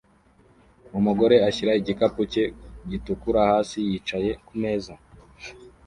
Umugore ashyira igikapu cye gitukura hasi yicaye kumeza